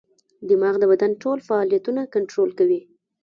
دماغ د بدن ټول فعالیتونه کنټرول کوي.